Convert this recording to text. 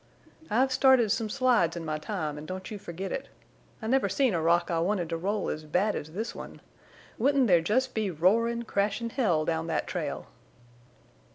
I've started some slides in my time, an' don't you forget it. I never seen a rock I wanted to roll as bad as this one! Wouldn't there jest be roarin', crashin' hell down that trail?"